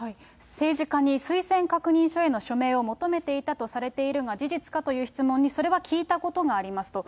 政治家に推薦確認書への署名を求めていたとされているが事実かという質問に、それは聞いたことがありますと。